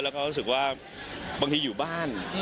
แล้วก็รู้สึกว่าบางทีอยู่บ้าน